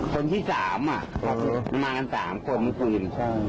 คนที่สามอ่ะมากันสามตรงกลางคืน